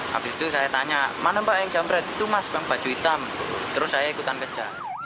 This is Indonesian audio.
habis itu saya tanya mana mbak yang jambret itu mas bang baju hitam terus saya ikutan kerja